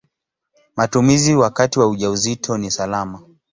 Matumizi wakati wa ujauzito ni salama.